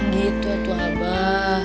bukan gitu atuh abah